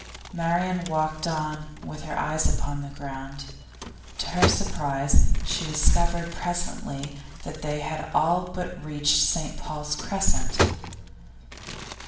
Marian walked on with her eyes upon the ground. To her surprise she discovered presently that they had all but reached St Paul's Crescent.